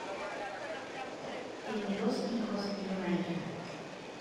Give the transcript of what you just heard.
Tiene dos hijos y una hija.